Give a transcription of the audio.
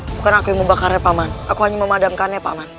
bukan aku yang membakarnya paman aku hanya memadamkannya paman